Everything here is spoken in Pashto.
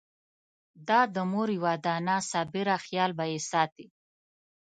دا د مور یوه دانه صابره خېال به يې ساتي!